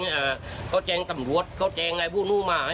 เขาแจงตำรวจเขาแจงไอ้ผู้นู้นมา